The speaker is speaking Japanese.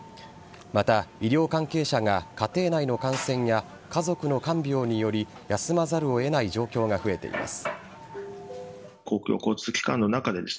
また、医療関係者が家庭内の感染や家族の看病により休まざるを得ない状況が増えています。